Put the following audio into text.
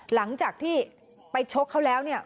หลังจากที่ไปชกเขาแล้วเนี่ย